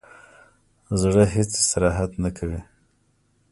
زړه هیڅ استراحت نه کوي.